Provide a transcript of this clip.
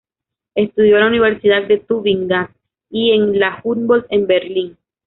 Estudió en la universidad de Tubinga y en la Humboldt en Berlín.